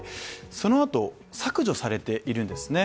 そのあと削除されているんですね。